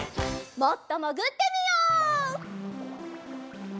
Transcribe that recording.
もっともぐってみよう。